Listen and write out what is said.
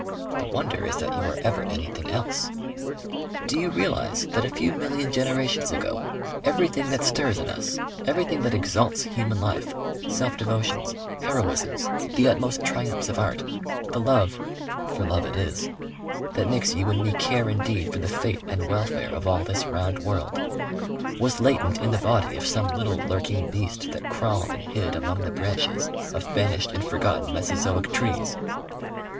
The wonder is that you are ever anything else.... Do you realize that a few million generations ago, everything that stirs in us, everything that exalts human life, self devotions, heroisms, the utmost triumphs of art, the love for love it is that makes you and me care indeed for the fate and welfare of all this round world, was latent in the body of some little lurking beast that crawled and hid among the branches of vanished and forgotten Mesozoic trees?